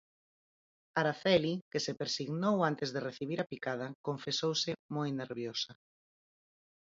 Araceli, que se persignou antes de recibir a picada, confesouse "moi nerviosa".